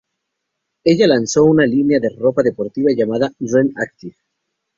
Ella lanzó una línea de ropa deportiva llamada Ren Active.